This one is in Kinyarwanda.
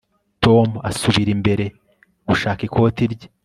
tom asubira imbere gushaka ikoti rye